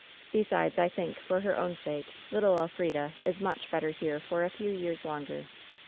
Besides, I think, for her own sake, little Elfrida is much better here for a few years longer.'